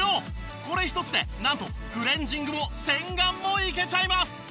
これ一つでなんとクレンジングも洗顔もいけちゃいます！